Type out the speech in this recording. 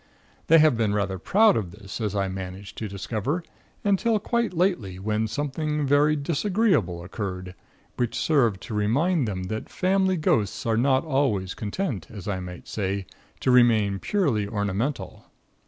They have been rather proud of this, as I managed to discover, until quite lately when something very disagreeable occurred, which served to remind them that family ghosts are not always content, as I might say, to remain purely ornamental.